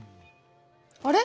あれ？